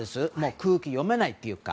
空気が読めないというか。